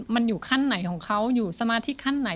มันอยู่ขั้นไหนของเขาอยู่สมาธิขั้นไหน